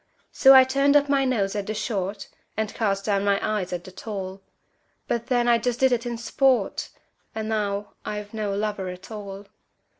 So I turned up my nose at the short, And cast down my eyes at the tall; But then I just did it in sport And now I've no lover at all!